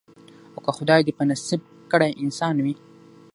او که خدای دي په نصیب کړی انسان وي